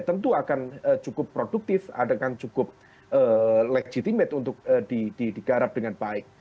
tentu akan cukup produktif akan cukup legitimate untuk digarap dengan baik